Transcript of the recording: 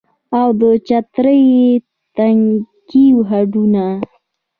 او د چترۍ تنکي هډونه